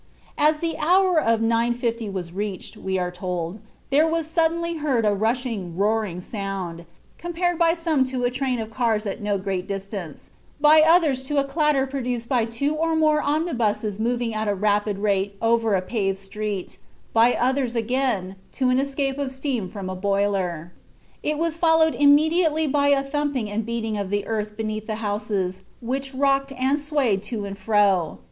"As the hour of 9.50 was reached," we are told, "there was suddenly heard a rushing, roaring sound, compared by some to a train of cars at no great distance, by others to a clatter produced by two or more omnibuses moving at a rapid rate over a paved street, by others again, to an escape of steam from a boiler. It was followed immediately by a thumping and beating of the earth beneath the houses, which rocked and swayed to and fro.